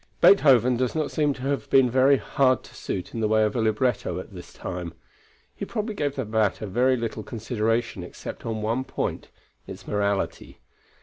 Beethoven does not seem to have been very hard to suit in the way of a libretto at this time. He probably gave the matter very little consideration except on one point, its morality.